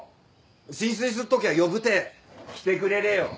進水すっときゃ呼ぶて来てくれれよ。